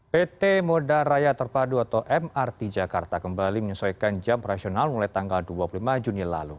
pt moda raya terpadu atau mrt jakarta kembali menyesuaikan jam operasional mulai tanggal dua puluh lima juni lalu